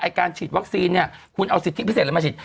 การฉีดวัคซีนเนี่ยคุณเอาสิทธิพิเศษอะไรมาฉีด